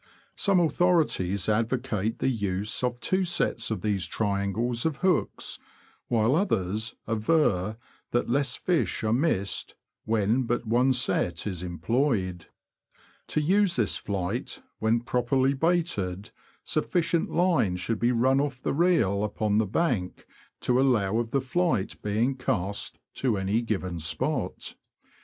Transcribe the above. Some authori ties advocate the use of two sets of these triangles of hooks, while others aver that less fish are missed when but one set is employed. To use this flight, when properly baited, sufficient line should be run off the reel upon the bank to aflow of the flight being cast to any given spot.